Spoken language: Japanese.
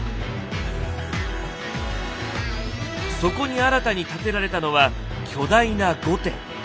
そこに新たに建てられたのは巨大な御殿。